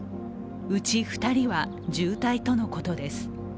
うち２人は重体とのことです。